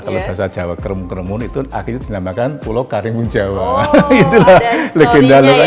kalau bahasa jawa keremu keremun itu akhirnya dinamakan pulau karimun jawa itulah legenda lurah